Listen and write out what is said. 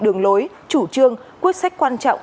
đường lối chủ trương quyết sách quan trọng